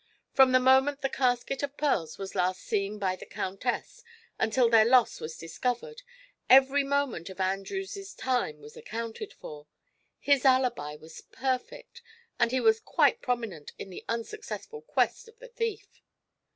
From the moment the casket of pearls was last seen by the countess until their loss was discovered, every moment of Andrews' time was accounted for. His alibi was perfect and he was quite prominent in the unsuccessful quest of the thief."